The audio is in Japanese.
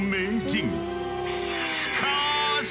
しかし！